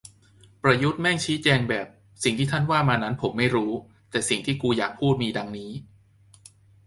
"ประยุทธ์แม่งชี้แจงแบบ สิ่งที่ท่านว่ามานั้นผมไม่รู้ แต่สิ่งที่กูอยากพูดมีดังนี้"